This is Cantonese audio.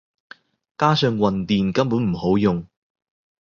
加上混電根本唔好用